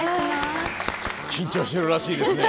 緊張してるらしいですね。